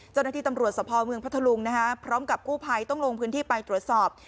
เจ้าหน้าที่ตำรวจสภเมืองพัทธลุงพร้อมกับกู้ภัยต้องลงพื้นที่ไปตรวจสอบ